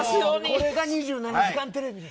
これが２７時間テレビです。